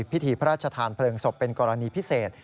พิธีพระราชทานเพลิงศพเป็นกรณีพิเศษ